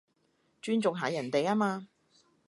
尊重下人哋吖嘛